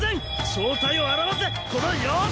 正体を現せこの妖怪！